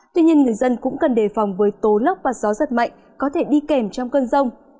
tuy nhiên người dân cũng cần đề phòng với tố lốc và gió giật mạnh có thể đi kèm trong cơn rông